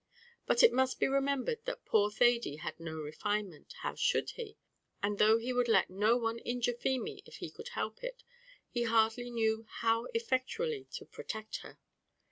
But it must be remembered that poor Thady had no refinement; how should he? And though he would let no one injure Feemy if he could help it, he hardly knew how effectually to protect her.